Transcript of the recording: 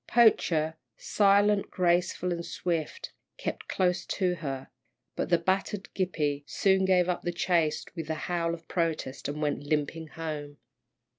Poacher, silent, graceful, and swift, kept close to her, but the battered Gippie soon gave up the chase with a howl of protest, and went limping home.